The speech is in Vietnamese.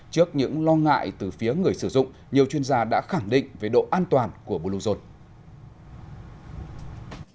trước những lo ngại từ phía người sử dụng nhiều chuyên gia đã khẳng định về độ an toàn của bluezone